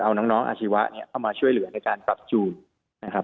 เอาน้องอาชีวะเนี่ยเข้ามาช่วยเหลือในการปรับจูนนะครับ